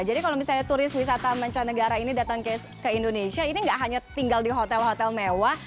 jadi kalau misalnya turis wisata mancanegara ini datang ke indonesia ini nggak hanya tinggal di hotel hotel mewah